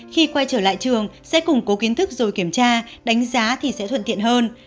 khi quay trở lại trường sẽ củng cố kiến thức rồi kiểm tra đánh giá thì sẽ thuận tiện hơn